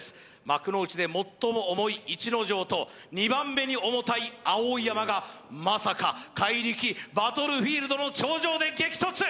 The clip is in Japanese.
幕内で最も重い逸ノ城と２番目に重たい碧山がまさか怪力バトルフィールドの頂上で激突！